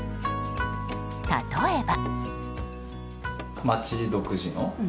例えば。